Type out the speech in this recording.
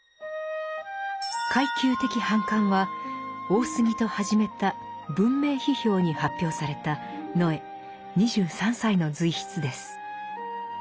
「階級的反感」は大杉と始めた「文明批評」に発表された野枝２３歳の随筆です。